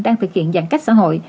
đang thực hiện giãn cách xã hội